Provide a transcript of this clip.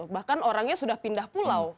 bahkan orangnya sudah pindah pulau